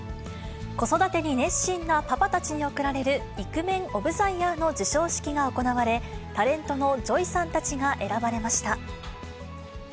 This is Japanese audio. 子育てに熱心なパパたちに贈られる、イクメンオブザイヤーの授賞式が行われ、タレントのＪＯＹさんたちが選ばれました。